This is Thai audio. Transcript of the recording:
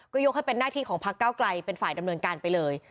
ก็ยกให้เป็นหน้าที่ของพักเก้าไกลเป็นฝ่ายดำเนินการไปเลย